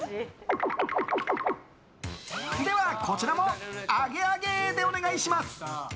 では、こちらもアゲアゲでお願いします！